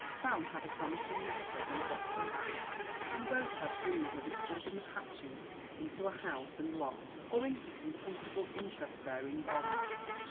Sam had a promising nest egg in a Boston bank, and both had dreams of its ultimate hatching into a house and lot, or into some comfortable interest bearing bonds.